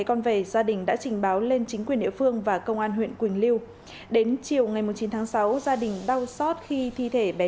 công an đã ra quyết định khởi tố vụ án liên quan đến cái chết của cháu bé